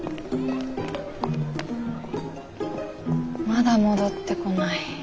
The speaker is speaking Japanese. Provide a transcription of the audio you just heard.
まだ戻ってこない。